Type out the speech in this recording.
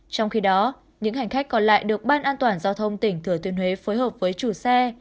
trong khi đó những hành khách còn lại được ban an toàn giao thông tỉnh thừa thiên huế phối hợp với chủ xe